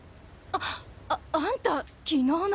ああんた昨日の。